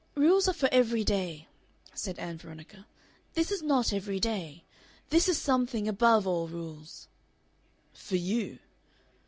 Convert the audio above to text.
"Rules are for every day," said Ann Veronica. "This is not every day. This is something above all rules." "For you."